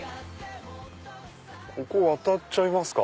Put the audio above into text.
ここ渡っちゃいますか。